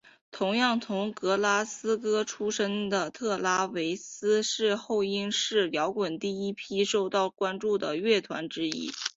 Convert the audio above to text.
同样从格拉斯哥出身的特拉维斯是后英式摇滚第一批受到关注的乐团之一。